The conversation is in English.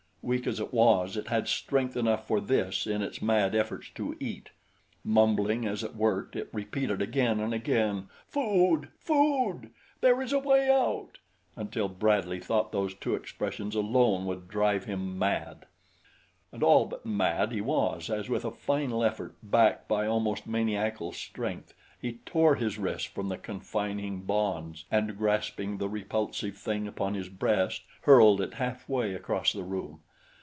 Weak as it was it had strength enough for this in its mad efforts to eat. Mumbling as it worked, it repeated again and again, "Food! Food! There is a way out!" until Bradley thought those two expressions alone would drive him mad. And all but mad he was as with a final effort backed by almost maniacal strength he tore his wrists from the confining bonds and grasping the repulsive thing upon his breast hurled it halfway across the room.